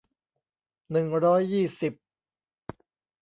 หนึ่งร้อยยี่สิบ